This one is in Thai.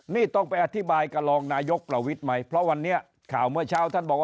นี่ต้องไปอธิบายกับรองนายกประวิทย์ไหมเพราะวันนี้ข่าวเมื่อเช้าท่านบอกว่า